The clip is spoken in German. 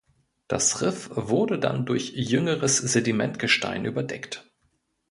Das Riff wurde dann durch jüngeres Sedimentgestein überdeckt.